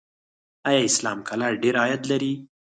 آیا اسلام قلعه ډیر عاید لري؟